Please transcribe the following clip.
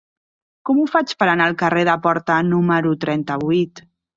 Com ho faig per anar al carrer de Porta número trenta-vuit?